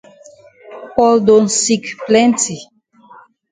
Paul don sick plenti.